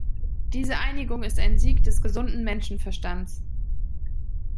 Diese Einigung ist ein Sieg des gesunden Menschenverstands.